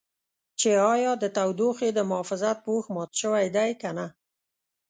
چې ایا د تودوخې د محافظت پوښ مات شوی دی که نه.